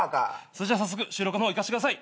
それじゃ早速収録の方いかせてください。